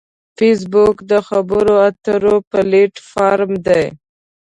فېسبوک د خبرو اترو پلیټ فارم دی